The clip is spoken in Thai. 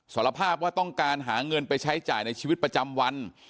สารภาพว่าต้องการหาเงินไปใช้จ่ายในชีวิตประจำวัน